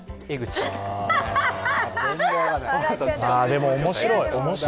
でも面白い。